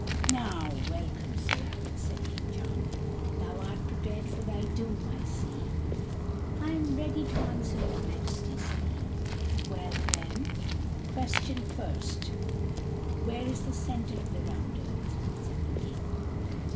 "Now welcome, Sir Abbot," said King John; "thou art prepared for thy doom, I see." "I am ready to answer your Majesty," said he. "Well, then, question first where is the centre of the round earth?" said the King.